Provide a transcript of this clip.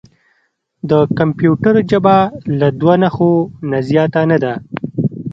د کمپیوټر ژبه له دوه نښو نه زیاته نه ده.